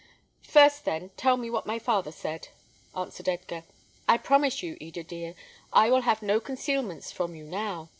"First, then, tell me what my father said," answered Edgar. "I promise you, Eda, dear, I will have no concealments from you now.